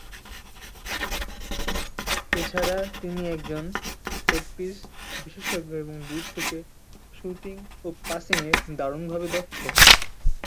এছাড়া তিনি একজন সেট-পিস বিশেষজ্ঞ এবং দূর থেকে শুটিং ও পাসিং-এ দারুণভাবে দক্ষ।